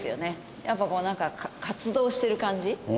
やっぱこうなんか活動してる感じ？